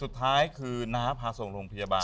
สุดท้ายคือน้าพาส่งโรงพยาบาล